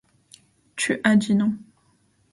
Tu as dit non !